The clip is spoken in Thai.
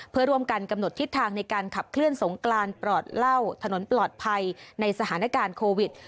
เพื่อร่วมกันกำหนดทิศทางในการขับเคลื่อนสงกรานปลอดเหล้าถนนปลอดภัยในสถานการณ์โควิด